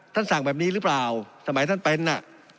สั่งแบบนี้หรือเปล่าสมัยท่านเป็นน่ะ